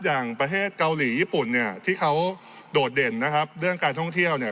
อย่างประเทศเกาหลีญี่ปุ่นเนี่ยที่เขาโดดเด่นนะครับเรื่องการท่องเที่ยวเนี่ย